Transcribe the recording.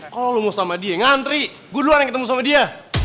kalau lu mau sama dia yang ngantri gue duluan yang ketemu sama dia